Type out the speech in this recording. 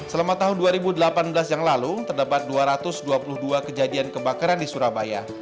selama tahun dua ribu delapan belas yang lalu terdapat dua ratus dua puluh dua kejadian kebakaran di surabaya